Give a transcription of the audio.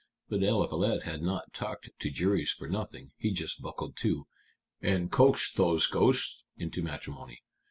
But Eliphalet had not talked to juries for nothing; he just buckled to, and coaxed those ghosts into matrimony.